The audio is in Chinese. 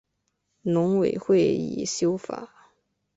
农委会已修法